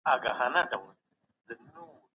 ملاتړ انسان اراموي.